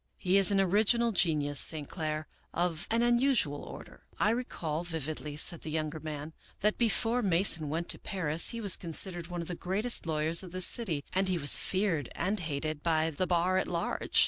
He is an original genius, St. Clair, of an unusual order." " I recall vividly," said the younger man, " that before Mason went to Paris he was considered one of the greatest lawyers of this city and he was feared and hated by the bar at large.